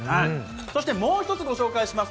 そしてもう一つご紹介します。